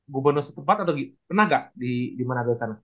gubernur suku empat atau pernah gak di manado sana